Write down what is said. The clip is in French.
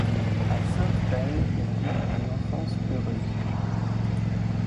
À Sainte-Reine, il vit une enfance heureuse.